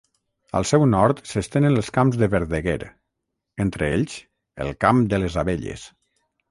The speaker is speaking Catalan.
Al seu nord s'estenen els camps del Verdeguer; entre ells, el Camp de les Abelles.